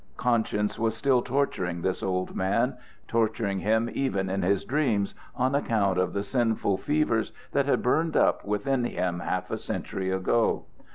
Conscience was still torturing this old man torturing him even in his dreams on account of the sinful fevers that had burned up within him half a century ago.